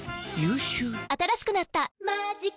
新しくなった「マジカ」